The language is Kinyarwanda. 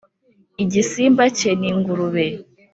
igisimba cye ni ingurube